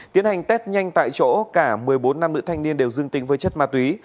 tiến hành test nhanh tại chỗ cả một mươi bốn nam nữ thanh niên đều dương tính với chất ma túy